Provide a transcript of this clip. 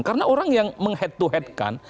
karena orang yang menghead to head kan